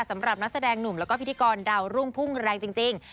สำหรับนักแสดงหนุ่มแล้วก็พิธีกรดาวรุ่งพุ่งแรงจริง